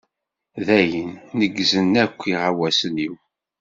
Dayen, nnegzan akk iɣawasen-iw.